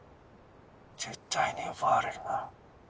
絶対に奪われるな。